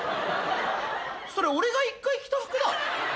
それ俺が１回着た服だ。